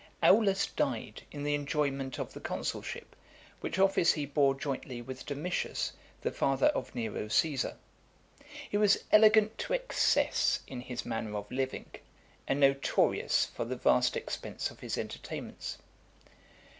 Aulus died in the enjoyment of the consulship , which office he bore jointly with Domitius, the father of Nero Caesar. He was elegant to excess in his manner of living, and notorious for the vast expense of his entertainments.